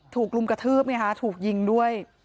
ถูกรุมกระทืบไงฮะถูกยิงด้วย